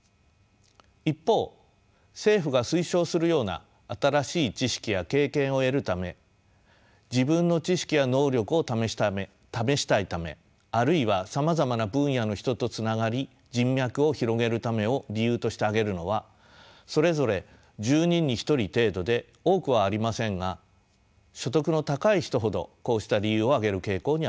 一方政府が推奨するような新しい知識や経験を得るため自分の知識や能力を試したいためあるいはさまざまな分野の人とつながり人脈を広げるためを理由として挙げるのはそれぞれ１０人に１人程度で多くはありませんが所得の高い人ほどこうした理由を挙げる傾向にあります。